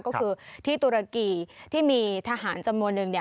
ก็คือที่ตุรกีที่มีทหารจำนวนนึง